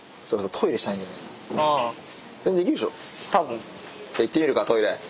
ん？じゃ行ってみるかトイレ。